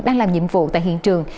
đang làm nhiệm vụ tại hiện trường